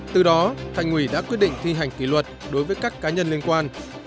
từ đó thành ủy đã quyết định thi hành kỷ luật đối với các cá nhân liên quan